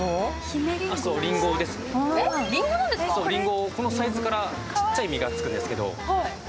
りんごですね、このサイズからちっちゃい実がつくんですけど。